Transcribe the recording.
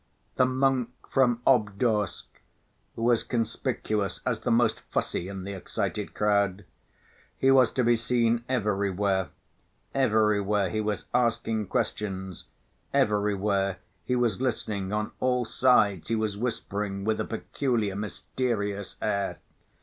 The monk from Obdorsk was conspicuous as the most fussy in the excited crowd. He was to be seen everywhere; everywhere he was asking questions, everywhere he was listening, on all sides he was whispering with a peculiar, mysterious air.